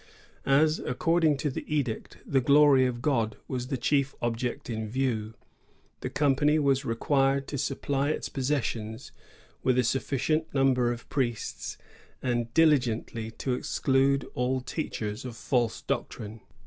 As, according to the edict, the glory of God was the chief object in view, the com pany was required to supply its possessions with a sufficient number of priests, and diligently to exclude 1664 6a] MONOPOLY. 285 all teachers of false doctrine.